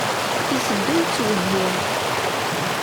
Iteddu yettwehhi.